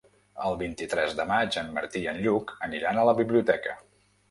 El vint-i-tres de maig en Martí i en Lluc aniran a la biblioteca.